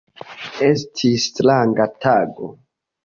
Estis stranga tago.